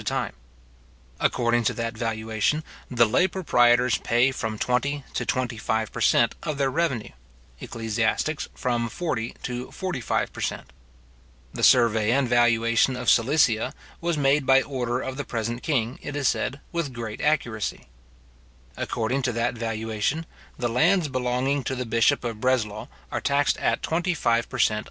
{Memoires concernant les Droits, etc. tom, i. p. 114, 115, 116, etc.} According to that valuation, the lay proprietors pay from twenty to twenty five per cent. of their revenue; ecclesiastics from forty to forty five per cent. The survey and valuation of Silesia was made by order of the present king, it is said, with great accuracy. According to that valuation, the lands belonging to the bishop of Breslaw are taxed at twenty five per cent.